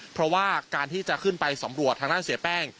เพราะว่าการที่จะขึ้นไปสำรวจทางด้านเสียแป้ง